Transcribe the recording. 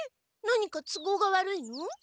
何か都合が悪いの？